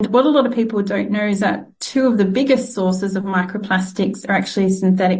banyak orang tidak tahu bahwa dua dari sumber mikroplastik terbesar adalah fibra sintetik